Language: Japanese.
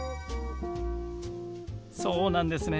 そうなんですね。